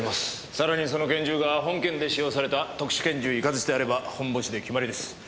さらにその拳銃が本件で使用された特殊拳銃イカズチであればホンボシで決まりです。